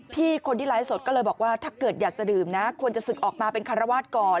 พี่คนที่ไลฟ์สดก็เลยบอกว่าถ้าเกิดอยากจะดื่มนะควรจะศึกออกมาเป็นคารวาสก่อน